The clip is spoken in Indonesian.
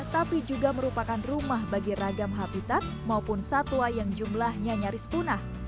tapi juga merupakan rumah bagi ragam habitat maupun satwa yang jumlahnya nyaris punah